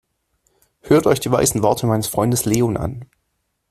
Hört euch die weisen Worte meines Freundes Leon an!